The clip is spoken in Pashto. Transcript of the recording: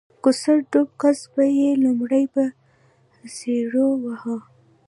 کوڅه ډب کس به یې لومړی په څپېړو واهه